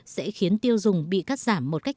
sẽ khiến tiêu dùng bị cắt giảm một cách